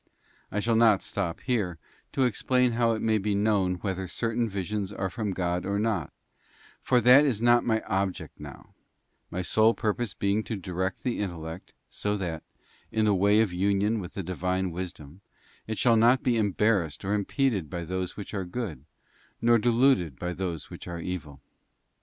I shall not stop here to explain how it may be known whether certain visions are from God or not, for that is not my object now, my sole purpose being to direct the intellect, so that, in the way of union with the Divine Wisdom, it shall not be embarrassed or impeded by those which are good, nor deluded by those which are evil.